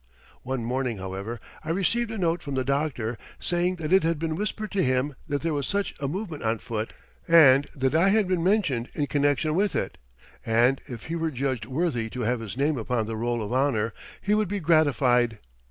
One morning, however, I received a note from the doctor, saying that it had been whispered to him that there was such a movement on foot, and that I had been mentioned in connection with it, and if he were judged worthy to have his name upon the roll of honor, he would be gratified.